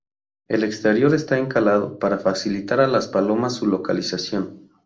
El exterior está encalado para facilitar a las palomas su localización.